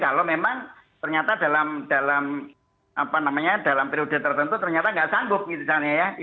kalau memang ternyata dalam dalam apa namanya dalam periode tertentu ternyata nggak sanggup gitu sana ya